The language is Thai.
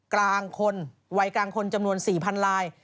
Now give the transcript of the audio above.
กลางคนวัยกลางคนจำนวน๔๐๐๐ลาย